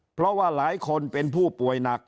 เพราะว่าหลายคนเป็นผู้ป่วยหนัก